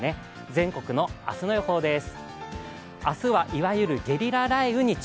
全国の明日の予報です。